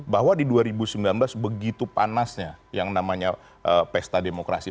bahwa di dua ribu sembilan belas begitu panasnya yang namanya pesta demokrasi